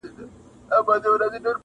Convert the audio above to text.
• ته پیسې کټه خو دا فکرونه مکړه,